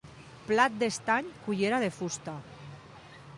Plat d'estany, cullera de fusta.